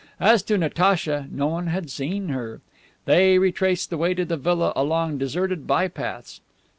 As to Natacha, no one had seen her. They retraced the way to the villa along deserted by paths.